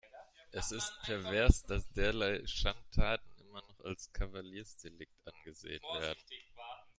Es ist pervers, dass derlei Schandtaten immer noch als Kavaliersdelikt angesehen werden.